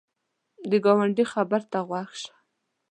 د ګاونډي خبر ته غوږ شه